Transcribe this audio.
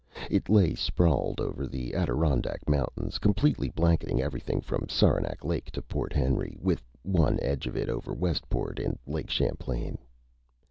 It lay sprawled over the Adirondack Mountains, completely blanketing everything from Saranac Lake to Port Henry, with one edge of it over Westport, in Lake Champlain.